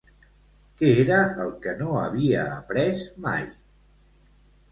Què era el que no havia après mai?